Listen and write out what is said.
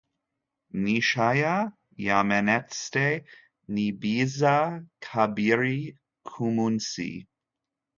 N'isaha yamenetse ni byiza kabiri kumunsi.